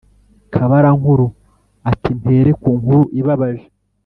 kabarankuru ati"mpere kunkuru ibabaje